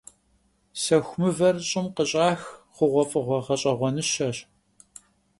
Sexu mıver ş'ım khış'ax xhuğuef'ığue ğeş'eğuenışeş.